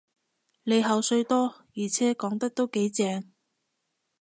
你口水多，而且講得都幾正